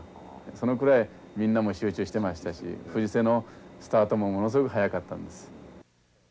そのくらいみんなも集中してましたし藤瀬のスタートもものすごく早かったんです。